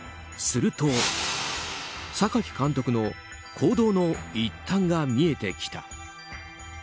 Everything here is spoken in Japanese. すると、榊監督の行動の一端が見えてきた。